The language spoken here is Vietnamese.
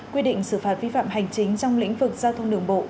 quy định xử phạt vi phạm hành chính